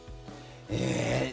ええ。